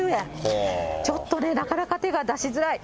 ちょっとね、なかなか手が出しづらい。